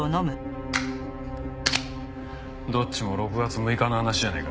どっちも６月６日の話じゃねえか。